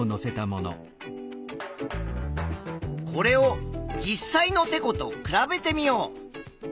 これを実際のてこと比べてみよう。